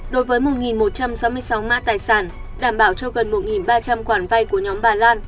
đối với một một trăm sáu mươi sáu mã tài sản đảm bảo cho gần một ba trăm linh khoản vay của nhóm bà lan